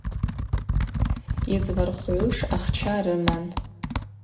Йызлархвгӏуш ахча рыман.